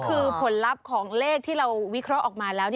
คือผลลัพธ์ของเลขที่เราวิเคราะห์ออกมาแล้ว